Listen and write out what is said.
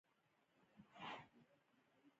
کور ته ځم